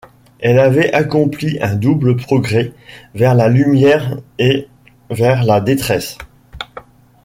Elle avait accompli un double progrès, vers la lumière et vers la détresse.